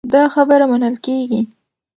دا خبره منل کېږي.